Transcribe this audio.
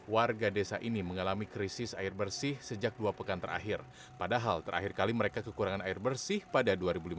warga desa ini mengalami krisis air bersih sejak dua pekan terakhir padahal terakhir kali mereka kekurangan air bersih pada dua ribu lima belas